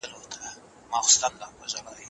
تفرقه د کمزورۍ نښه ده.